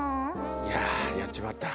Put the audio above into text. いややっちまった。